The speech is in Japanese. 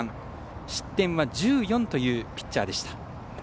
失点は１４というピッチャーです。